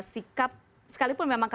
sikap sekalipun memang